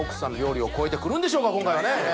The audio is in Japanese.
今回はね。